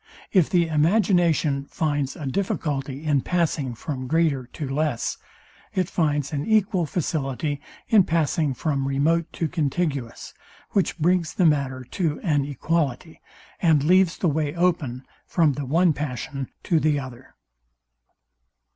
If the imagination finds a difficulty in passing from greater to less, it finds an equal facility in passing from remote to contiguous, which brings the matter to an equality, and leaves the way open from the one passion to the other.